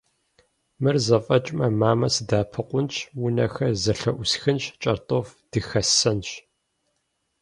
Мыр зэфӏэкӏмэ, мамэ сыдэӏэпыкъунщ, унэхэр зэлъыӏусхынщ, кӏэртӏоф дыхэссэнщ.